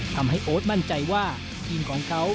โอ๊ตมั่นใจว่าทีมของเขา